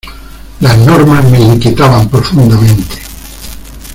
Las normas me inquietaban profundamente.